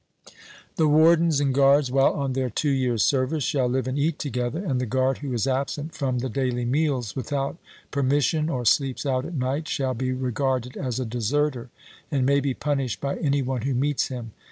The wardens and guards, while on their two years' service, shall live and eat together, and the guard who is absent from the daily meals without permission or sleeps out at night, shall be regarded as a deserter, and may be punished by any one who meets him.